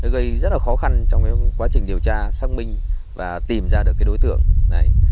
gây rất khó khăn trong quá trình điều tra xác minh và tìm ra đối tượng này